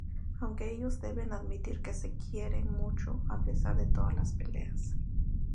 Aunque ellos deben admitir que se quieren mucho a pesar de todas las peleas.